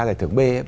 giải thưởng b